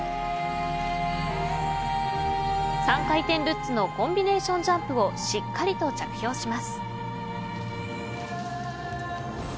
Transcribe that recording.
３回転ルッツのコンビネーションジャンプをしっかりと着氷します。